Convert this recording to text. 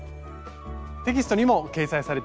テキストにも掲載されています。